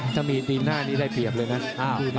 ถ้ามีตีนหน้านี้ได้เปรียบเลยนะ